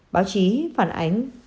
báo chí phản ánh